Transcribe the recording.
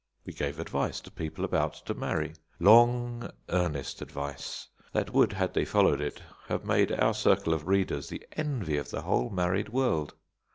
We gave advice to people about to marry long, earnest advice that would, had they followed it, have made our circle of readers the envy of the whole married world.